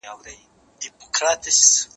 زه هره ورځ د سبا لپاره د سوالونو جواب ورکوم،